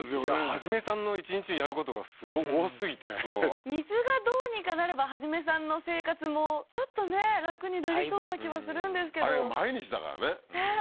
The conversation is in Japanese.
一さんの一日にやることがすごい多すぎて水がどうにかなれば一さんの生活もちょっとね楽になりそうな気はするんですけどあれが毎日だからねねえ